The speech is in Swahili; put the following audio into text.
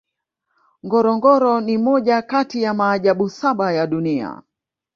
ngorongoro ni moja kati ya maajabu saba ya dunia